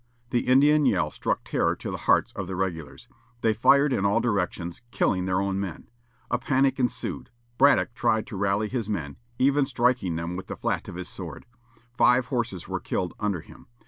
The Indian yell struck terror to the hearts of the regulars. They fired in all directions, killing their own men. A panic ensued. Braddock tried to rally his men; even striking them with the flat of his sword. Five horses were killed under him.